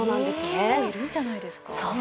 結構いるんじゃないですか。